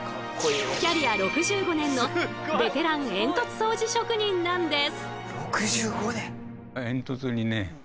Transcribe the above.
キャリア６５年のベテラン煙突掃除職人なんです。